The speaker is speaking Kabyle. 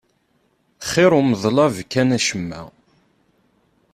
Xir umeḍlab kan acemma.